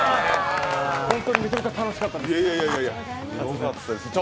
本当にめちゃめちゃ楽しかったです。